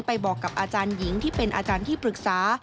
บอกกับอาจารย์หญิงที่เป็นอาจารย์ที่ปรึกษา